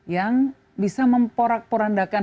yang bisa memporak porandakan